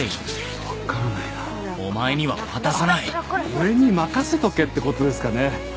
「俺に任せとけ」って事ですかね？